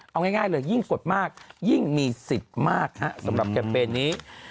เอาง่ายเลยยิ่งกดมากยิ่งมีสิทธิ์มากสำหรับแคมเปญนี้